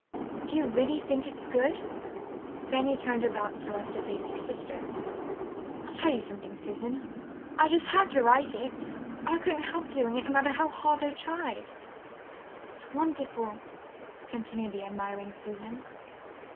"Do you really think it's good?" Fanny turned about so as to face her sister. "I'll tell you something, Susan. I just had to write it. I couldn't help doing it, no matter how hard I tried." "It's wonderful," continued the admiring Susan.